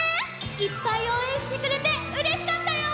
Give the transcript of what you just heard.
いっぱいおうえんしてくれてうれしかったよ！